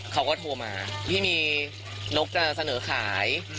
เขาก็โทรมาพี่มีนกจะเสนอขาย